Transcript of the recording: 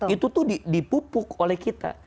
itu tuh dipupuk oleh kita